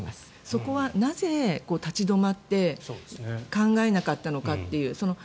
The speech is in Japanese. そこはなぜ立ち止まって考えなかったのかという。